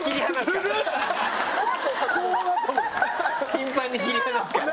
頻繁に切り離すから。